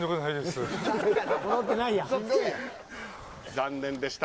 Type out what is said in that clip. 残念でした。